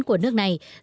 của nước này